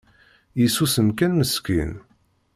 Isusem kan meskin